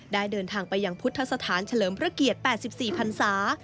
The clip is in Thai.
ได้เดินทางไปยังพุทธสถานเฉลิมพระเกียรติแปดสิบสี่พันศา